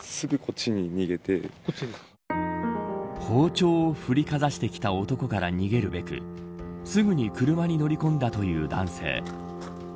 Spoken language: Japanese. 包丁を振りかざしてきた男から逃げるべくすぐに車に乗り込んだという男性。